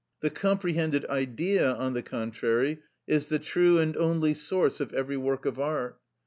The comprehended Idea, on the contrary, is the true and only source of every work of art.